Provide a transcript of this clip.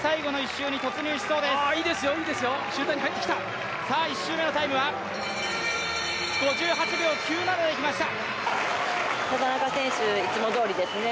１周目のタイムは５８秒９７でいきました。